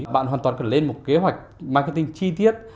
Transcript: bạn hoàn toàn có thể lên một kế hoạch marketing chi tiết